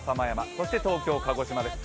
そして東京、鹿児島です。